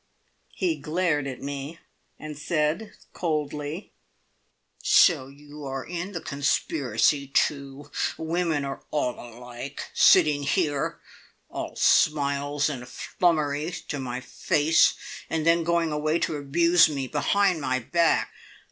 He glared at me, and said coldly: "So you are in the conspiracy, too! Women are all alike! Sitting here, all smiles and flummery to my face, and then going away to abuse me behind my back!"